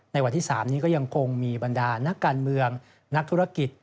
วันที่๓นี้ก็ยังคงมีบรรดานักการเมืองนักธุรกิจ